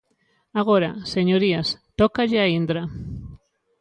Agora, señorías, tócalle a Indra.